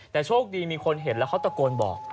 แต่โชคดีมีคนเห็นแล้วเขาตะโกนบอก